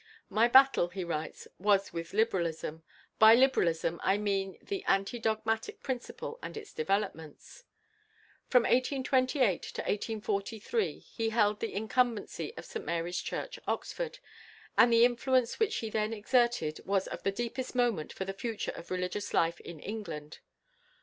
"My battle," he writes, "was with liberalism; by liberalism I mean the anti dogmatic principle and its developments." From 1828 to 1843 he held the incumbency of St Mary's Church, Oxford, and the influence which he then exerted was of the deepest moment for the future of religious life in England.